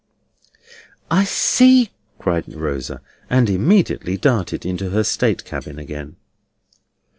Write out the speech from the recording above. "I see!" cried Rosa. And immediately darted into her state cabin again.